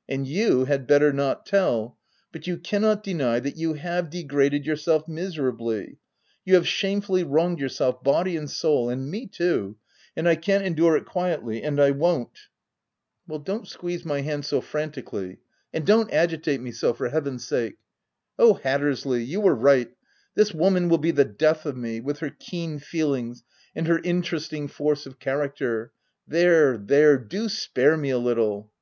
" And you had better not tell — but you can not deny that you have degraded yourself miser ably. You have shamefully wronged yourself, body and soul— and me too ; and I can't endure it quietly — and I won't !" 188 THE TENANT " Well, don't squeeze my hand so frantically and don't agitate me so, for Heaven's sake ! Oh, Hattersley ! you were right ; this woman will be the death of me, with her keen feelings and her interesting force of character — There, there, do spare me a little."